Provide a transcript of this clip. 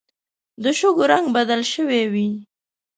د شګو رنګ بدل شوی وي